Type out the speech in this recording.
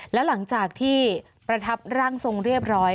แล้วหลังจากที่ประทับร่างทรงเรียบร้อย